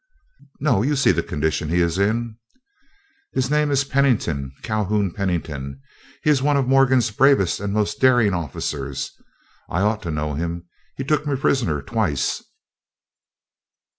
"No, you see the condition he is in." "His name is Pennington, Calhoun Pennington. He is one of Morgan's bravest and most daring officers. I ought to know him, he took me prisoner twice."